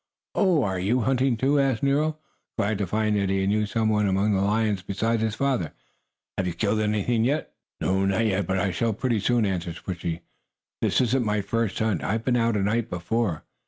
"Oh, are you hunting, too?" asked Nero, glad to find that he knew some one among the lions besides his father. "Have you killed anything yet?" "No, not yet. But I shall pretty soon," answered Switchie. "This isn't my first hunt. I've been out at night before."